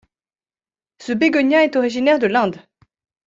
Ce bégonia est originaire de l'Inde.